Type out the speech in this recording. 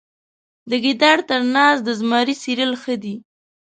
د ګیدړ تر ناز د زمري څیرل ښه دي.